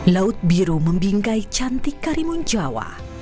laut biru membingkai cantik karimun jawa